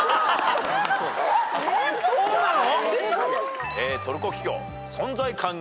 そうなの！？